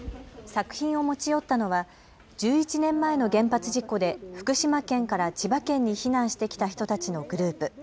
作品を持ち寄ったのは１１年前の原発事故で福島県から千葉県に避難してきた人たちのグループ。